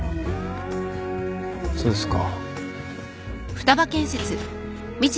そうですか。